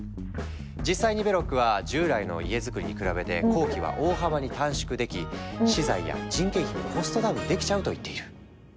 実際にベロックは従来の家づくりに比べて工期は大幅に短縮でき資材や人件費もコストダウンできちゃうと言っている。